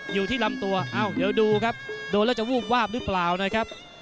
อยู่ที่ลำตัวเอ้าเดี๋ยวดูครับโดนแล้วจะวูบวาบหรือเปล่านะครับ